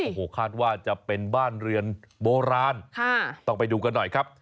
โอ้โหคาดว่าจะเป็นบ้านเรือนโบราณค่ะต้องไปดูกันหน่อยครับ